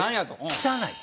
「汚い！」。